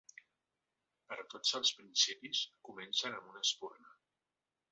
Però tots els principis comencen amb una espurna.